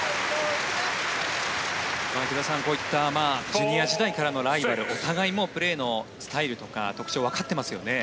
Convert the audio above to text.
池田さん、こういったジュニア時代からのライバルお互いプレーのスタイルとか特徴をわかってますよね。